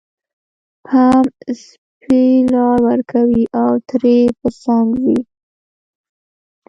هم څپې لار ورکوي او ترې په څنګ ځي